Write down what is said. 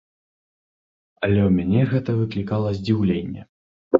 Але ў мяне гэта выклікала здзіўленне.